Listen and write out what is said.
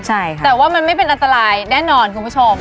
แต่ว่ามันไม่เป็นอันตรายแน่นอนคุณผู้ชม